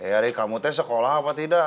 eh rekamu tes sekolah apa tidak